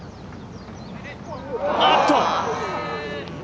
あっと。